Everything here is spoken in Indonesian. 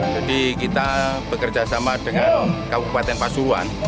jadi kita bekerja sama dengan kabupaten pasuruan